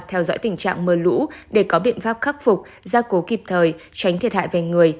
theo dõi tình trạng mưa lũ để có biện pháp khắc phục gia cố kịp thời tránh thiệt hại về người